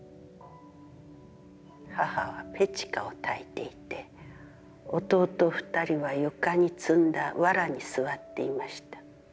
母はペチカを焚いていて、弟二人は床に積んだ藁に座っていました。